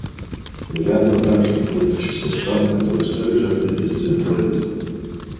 Мьянма также входит в число стран, которые стали жертвой бедствия терроризма.